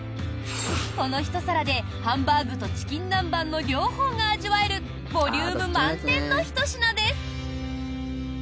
このひと皿で、ハンバーグとチキン南蛮の両方が味わえるボリューム満点のひと品です！